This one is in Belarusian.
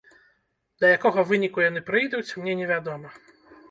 Да якога выніку яны прыйдуць, мне не вядома.